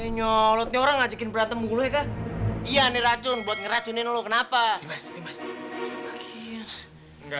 nyolotnya orang ajakin berantem mulai iya nih racun racunin lu kenapa